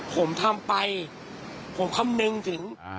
ผมทำไปผมคำนึงถึง